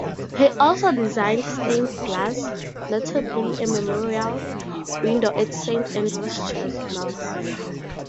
He also designed stained glass, notably a memorial window at Saint Andrew's Church, Mells.